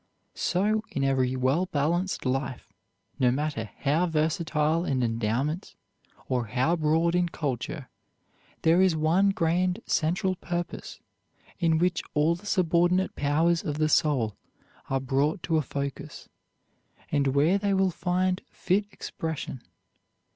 So in every well balanced life, no matter how versatile in endowments or how broad in culture, there is one grand central purpose, in which all the subordinate powers of the soul are brought to a focus, and where they will find fit expression.